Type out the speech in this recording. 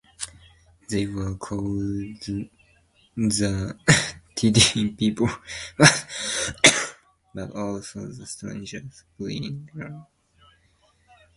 They were 'called the Tiddy people', but also "the Strangers", "Greencoaties" and "Yarthin".